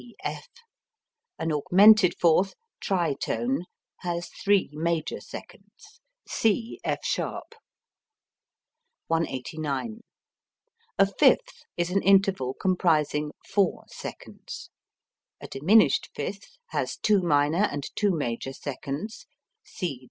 C F. An augmented fourth (tritone) has three major seconds. C F[sharp]. 189. A fifth is an interval comprising four seconds. A diminished fifth has two minor and two major seconds.